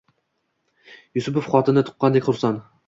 Yusupov xotini tuqqandek xursand.